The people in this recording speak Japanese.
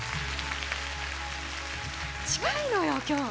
近いのよ今日。